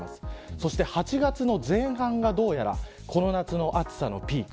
そして８月の前半がどうやらこの夏の暑さのピーク。